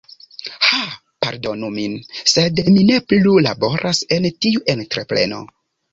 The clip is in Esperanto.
"Ha pardonu min, sed mi ne plu laboras en tiu entrepreno.